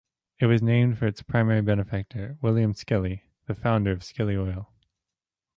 It was named for its primary benefactor, William Skelly, the founder of Skelly Oil.